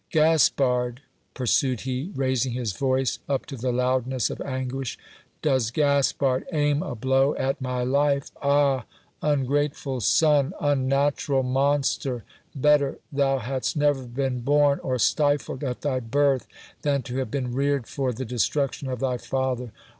Gaspard! pursued he, raising his voice up to the loudness of anguish, does Gaspard aim a blow at my life ! Ah ! ungrateful son, unnatural monster! better thou hadst never been born, or stifled at thy birth, than to have been reared for the destruction of thy father